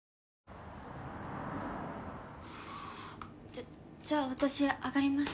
じゃじゃあ私上がります。